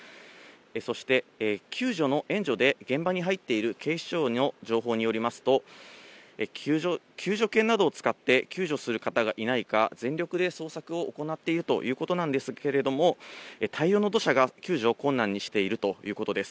そして、救助の援助で現場に入っている警視庁の情報によりますと、救助犬などを使って救助する方がいないか、全力で捜索を行っているということなんですけれども、大量の土砂が救助を困難にしているということです。